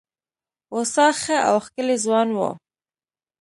هوسا ښه او ښکلی ځوان وو.